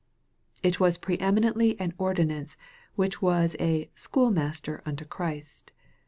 It was pre emi nently an ordinance which was a " schoolmaster unto Christ."